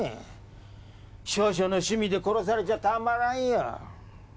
少々の趣味で殺されちゃたまらんよ。